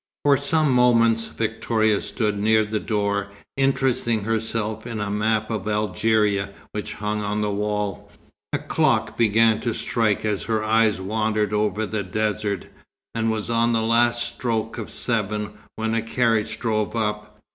For some moments Victoria stood near the door, interesting herself in a map of Algeria which hung on the wall. A clock began to strike as her eyes wandered over the desert, and was on the last stroke of seven, when a carriage drove up.